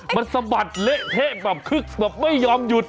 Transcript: มันสะบัดเละเทะแบบคึกแบบไม่ยอมหยุด